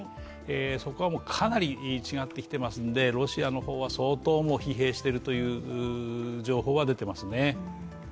そこがかなり違ってきてますのでロシアの方は相当、疲弊している情報は出ていますね。